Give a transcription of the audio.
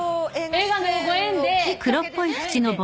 映画のご縁で。